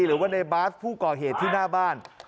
หรือว่าในบาสผู้ก่อเหตุที่หน้าบ้าน